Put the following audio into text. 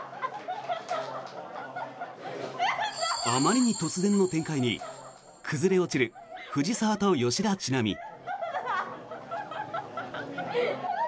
あまりに突然の展開に崩れ落ちる藤澤と吉田知那美。